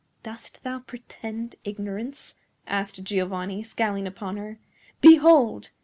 "Dost thou pretend ignorance?" asked Giovanni, scowling upon her. "Behold!